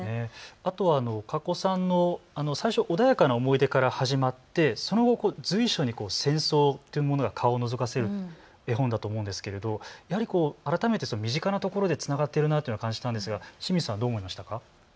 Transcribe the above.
あとは、かこさんの最初穏やかな思い出から始まってその後随所に戦争というものが顔をのぞかせる絵本だと思うんですけど改めて身近なところでつながっているなというのを感じたんですが清水さんはどう思いましたか。